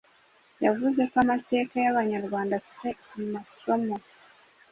Yavuze ko amateka y’Abanyarwanda afite amasomo